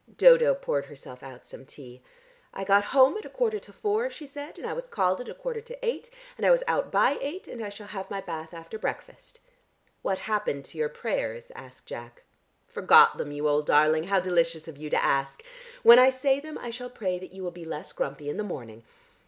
Dodo poured herself out some tea. "I got home at a quarter to four," she said, "and I was called at a quarter to eight, and I was out by eight and I shall have my bath after breakfast." "What happened to your prayers?" asked Jack. "Forgot them, you old darling. How delicious of you to ask! When I say them I shall pray that you will be less grumpy in the morning.